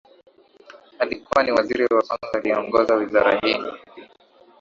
Alikuwa ni waziri wa kwanza aliyeongoza Wizara hii